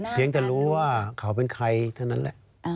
เพียงแต่รู้ว่าเขาเป็นใครเท่านั้นแหละ